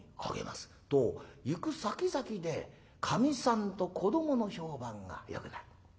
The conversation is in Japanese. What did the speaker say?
と行く先々でかみさんと子どもの評判がよくなる。